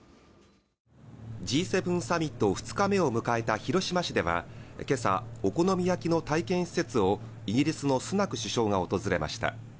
Ｇ７サミット２日目を迎えた広島市では今朝、お好み焼きの体験施設をイギリスのスナク首相が訪れました。